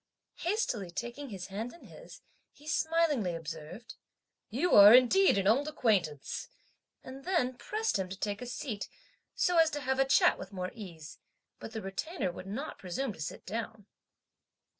Hastily taking his hand in his, he smilingly observed, "You are, indeed, an old acquaintance!" and then pressed him to take a seat, so as to have a chat with more ease, but the Retainer would not presume to sit down.